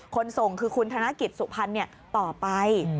คนส่งคือคุณธนริตสุภัณฑ์เนี่ยต่อไป